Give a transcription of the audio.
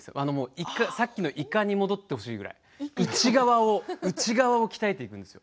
１回、さっきのイカに戻ってほしいくらい内側を鍛えていくんですよ。